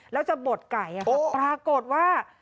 แล้วจะบดไก่ปรากฏว่า